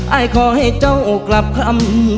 อายขอให้เจ้ากลับคำ